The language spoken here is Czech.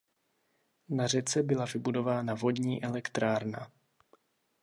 Na řece byla vybudována vodní elektrárna.